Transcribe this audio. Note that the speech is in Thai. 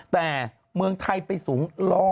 แต่เมืองไทยไปสูง๑๐๐